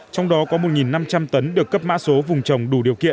trong đó có một năm trăm linh tấn được cấp mã số vùng trồng đủ điều kiện